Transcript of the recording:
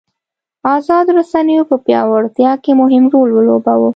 ازادو رسنیو په پیاوړتیا کې مهم رول ولوباوه.